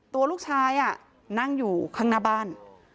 ตัวลูกชายนั่งอยู่ข้างหน้าบ้าน